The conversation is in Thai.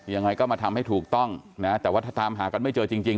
ยังไงก็มาทำให้ถูกต้องนะแต่ว่าถ้าตามหากันไม่เจอจริง